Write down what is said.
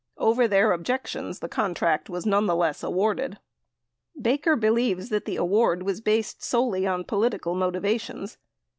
Over their objections, the contract was nonetheless awarded. Baker believes that the award was based solely on political motiva tions.